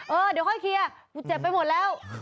เออเดี๋ยวค่อยเคลียร์กูเจ็บไปหมดแล้ว